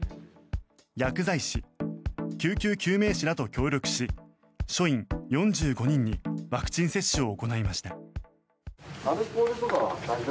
薬剤師、救急救命士らと協力し署員４５人にワクチン接種を行いました。